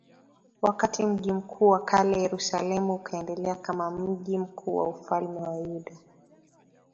wakati mji mkuu wa kale Yerusalemu ukaendelea kama mji mkuu wa ufalme wa Yuda